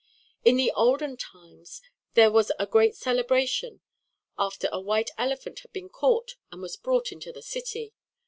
In the olden times there was a great celebration after a white elephant had been caught and was brought into the city.